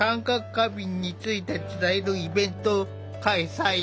過敏について伝えるイベントを開催。